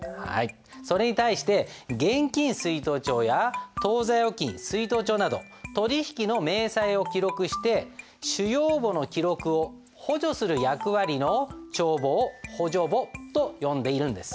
それに対して現金出納帳や当座預金出納帳など取引の明細を記録して主要簿の記録を補助する役割の帳簿を補助簿と呼んでいるんです。